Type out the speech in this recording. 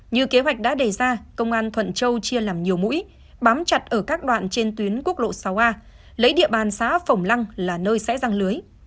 như kế hoạch đã đề ra công an thuận châu chia làm nhiều mũi bám chặt ở các đoạn trên tuyến quốc lộ sáu a lấy địa bàn xã phổng lăng là nơi sẽ răng lưới